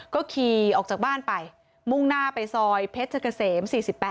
ก็ขี่ออกจากบ้านไปมุ่งหน้าไปซอยเพชรเกษม๔๘